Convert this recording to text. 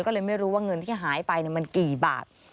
ก็เลยไม่รู้ว่าเงินที่หายไปมันกี่บาท